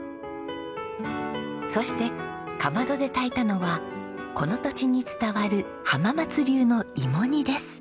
そしてかまどで炊いたのはこの土地に伝わる浜松流の芋煮です。